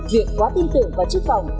việc quá tin tưởng và chức phòng